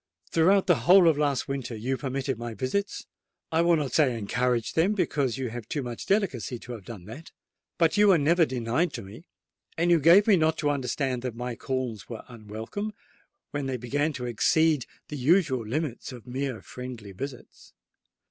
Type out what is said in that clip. Throughout the whole of last winter you permitted my visits—I will not say encouraged them, because you have too much delicacy to have done that. But you were never denied to me; and you gave me not to understand that my calls were unwelcome, when they began to exceed the usual limits of mere friendly visits.